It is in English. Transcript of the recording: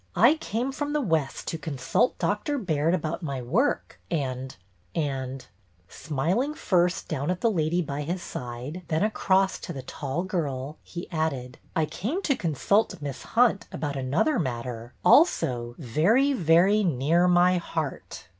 '' I came from the West to consult Dr. Baird about my work, and — and —" Smiling first down at the lady by his side, then across to the tall girl, he added, '' I came to consult Miss Hunt about another matter, also very, very near my heart."